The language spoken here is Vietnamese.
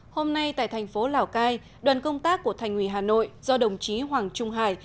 hôm nay tại thành phố lào cai đoàn công tác của thành ủy hà nội do đồng chí hoàng trung hải